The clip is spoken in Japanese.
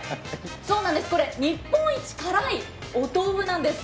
そうなんです、これ、日本一辛いお豆腐なんです。